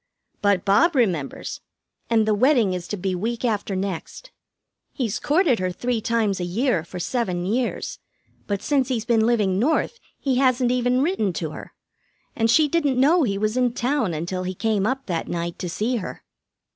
But Bob remembers, and the wedding is to be week after next. He's courted her three times a year for seven years; but since he's been living North he hasn't even written to her, and she didn't know he was in town until he came up that night to see her.